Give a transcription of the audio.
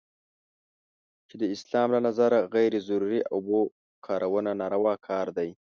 چې د اسلام له نظره غیر ضروري اوبو کارونه ناروا کار دی.